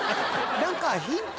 何かヒント